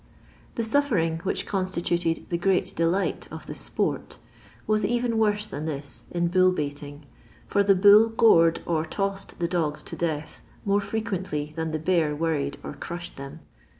The suffering which constituted the great de light of the tpoti was even worse than this, in bull baiting, for the bull gored or tossed the dogs to death more frequently than the bear worried or crushed them.